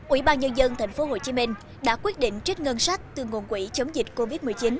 ủy ban nhân dân tp hcm đã quyết định trích ngân sách từ nguồn quỹ chống dịch covid một mươi chín